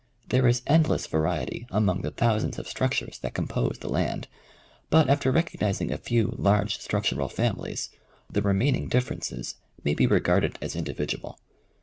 There is endless variety among the thousands of structures that compose the land, but after recognizing a few large structural families, the remain ing differences may be regarded as individual.